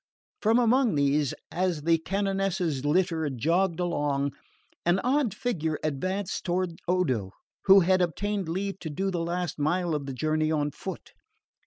From among these, as the canonesses' litter jogged along, an odd figure advanced toward Odo, who had obtained leave to do the last mile of the journey on foot.